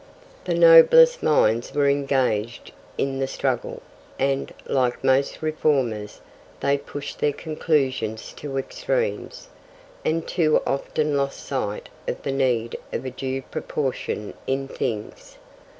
The noblest minds were engaged in the struggle, and, like most reformers, they pushed their conclusions to extremes, and too often lost sight of the need of a due proportion in things.